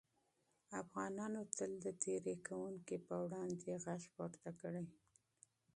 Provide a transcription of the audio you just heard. افغانانو تل د تېري کوونکو پر وړاندې غږ پورته کړی.